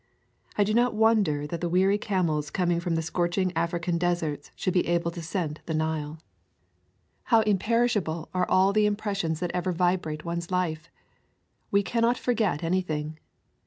I do not wonder that the weary camels coming from the scorching African deserts should be able to scent the Nile. [ 123 ] A Thousand Mile Walh How imperishable are all the impressions that ever vibrate one's life! We cannot forget anything.